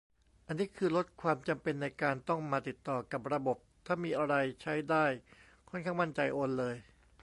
อันนี้คือลดความจำเป็นในการต้องมาติดต่อกับระบบ ถ้ามีอะไรใช้ได้ ค่อนข้างมั่นใจ โอนเลย